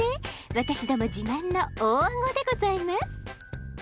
私ども自慢の大アゴでございます。